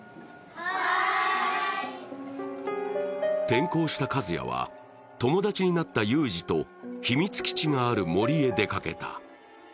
転校した一也は、友達になったゆうじと秘密基地がある森へ出かけた。